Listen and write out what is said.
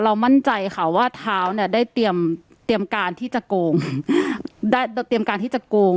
มั่นใจค่ะว่าเท้าเนี่ยได้เตรียมการที่จะโกงได้เราเตรียมการที่จะโกง